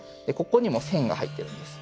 ここにも線が入っているんです。